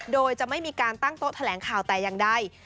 โดยจะไม่มีการตั้งโต๊ะแถลงข่าวแต่อย่างใด